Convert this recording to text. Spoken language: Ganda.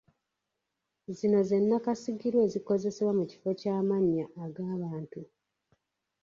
Zino ze nakasigirwa ezikozesebwa mu kifo ky'amannya ag'abantu